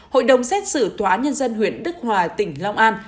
hội đồng xét xử tòa nhân dân huyện đức hòa tỉnh long an